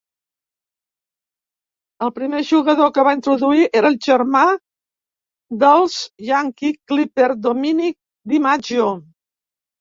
El primer jugador que va introduir era el germà dels Yankee Clipper, Dominic DiMaggio.